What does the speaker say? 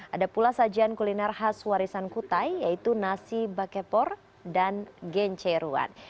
ada pula sajian kuliner khas warisan kutai yaitu nasi bakepor dan genceruan